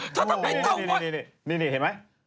เธอทำเป็นเต่างอยนี่นี่เห็นไหม